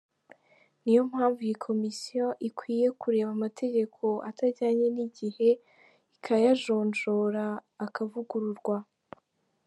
Ni yo mpamvu iyi Komisiyo ikwiye kureba amategeko atajyanye n’igihe ikayajonjora akavugururwa.